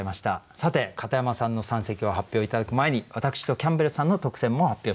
さて片山さんの三席を発表頂く前に私とキャンベルさんの特選も発表したいと思います。